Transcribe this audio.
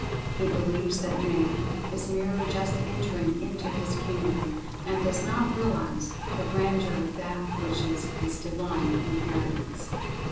He believes that Man is[Pg 18] merely just entering into his kingdom, and does not realize the grandeur of that which is his Divine Inheritance.